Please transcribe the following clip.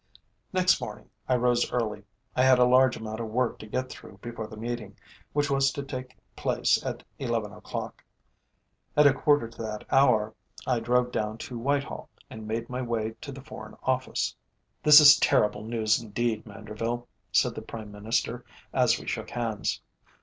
Next morning I rose early. I had a large amount of work to get through before the meeting, which was to take place at eleven o'clock. At a quarter to that hour I drove down to Whitehall, and made my way to the Foreign Office. "This is terrible news indeed, Manderville," said the Prime Minister, as we shook hands.